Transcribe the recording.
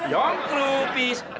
yong kru peace